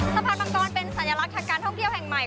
สะพานมังกรเป็นสัญลักษณ์ทางการท่องเที่ยวแห่งใหม่